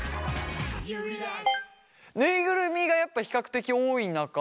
ぬいぐるみがやっぱ比較的多い中